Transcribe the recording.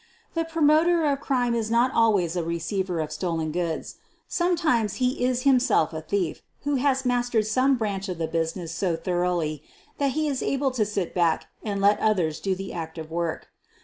The promoter of crime is not always a receiver of stolen goods. Sometimes he is himself a thief, who has mastered some branch of the business so thoroughly that he is able to sit back and let others do the active work.